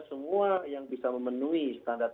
semua yang bisa memenuhi standar